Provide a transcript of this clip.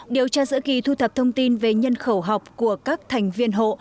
điều tra giữa kỳ thu thập thông tin về nhân khẩu học của các thành viên hộ